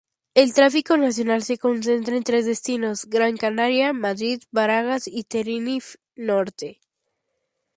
El tráfico nacional se concentra en tres destinos: Gran Canaria, Madrid-Barajas y Tenerife Norte.